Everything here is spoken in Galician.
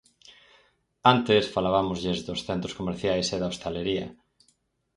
Antes falabámoslles dos centros comerciais e da hostalería.